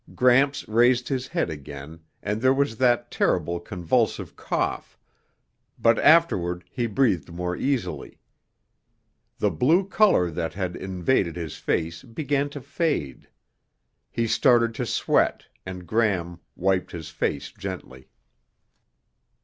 Gramps raised his head again and there was that terrible convulsive cough, but afterward he breathed more easily. The blue color that had invaded his face began to fade. He started to sweat and Gram wiped his face gently.